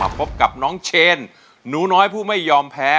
พบกับน้องเชนหนูน้อยผู้ไม่ยอมแพ้